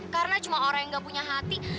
karena cuma orang yang gak punya hati